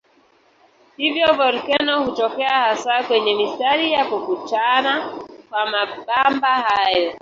Hivyo volkeno hutokea hasa kwenye mistari ya kukutana kwa mabamba hayo.